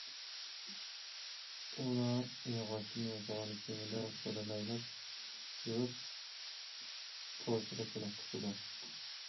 ئۇلار ياغاچتىن ياسىغان كېمىدە سۇدا لەيلەپ يۈرۈپ، تور سېلىپ بېلىق تۇتىدۇ.